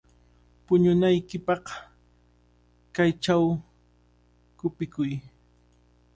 Puñunaykipaq kaychaw qupikuy.